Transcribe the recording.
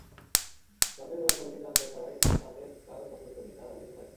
যাঁদের ওরা কমিটিতে আনতে চায় তাঁদের কারও ছাত্রত্ব নেই, তাঁরা বিদেশে থাকেন।